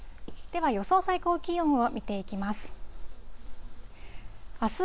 では、予想最高気温を見ていきます。